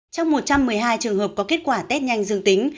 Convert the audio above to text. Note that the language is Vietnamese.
trong một trăm một mươi hai trường hợp có kết quả test nhanh dương tính